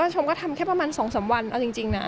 ชมก็ทำแค่ประมาณ๒๓วันเอาจริงนะ